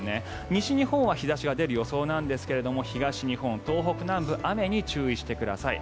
西日本は日差しが出る予想なんですが東日本、東北南部雨に注意してください。